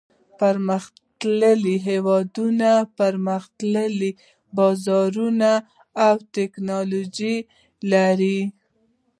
پرمختللي هېوادونه پرمختللي بازارونه او تکنالوجي لري.